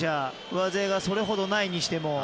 上背がそれほどないにしても。